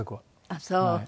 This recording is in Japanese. ああそう！